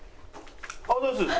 おはようございます。